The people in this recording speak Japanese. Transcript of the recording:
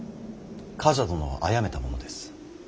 冠者殿をあやめた者です。